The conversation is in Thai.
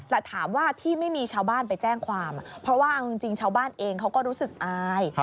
แต่ถามว่าที่ไม่มีชาวบ้านไปแจ้งความเพราะว่าเอาจริงชาวบ้านเองเขาก็รู้สึกอาย